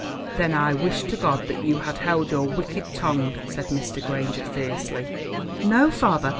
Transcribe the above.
"Then I wish to God that you had held your wicked tongue," said Mr. Granger fiercely. "No, father.